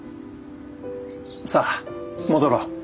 さあ戻ろう。